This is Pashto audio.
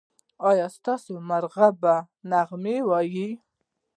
ایا ستاسو مرغۍ به نغمې وايي؟